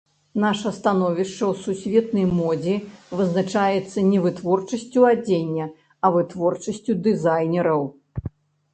Наша становішча ў сусветнай модзе вызначаецца не вытворчасцю адзення, а вытворчасцю дызайнераў.